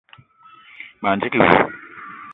Ma ndigui wou.